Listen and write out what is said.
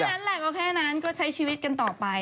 นั่นแหละก็แค่นั้นก็ใช้ชีวิตกันต่อไป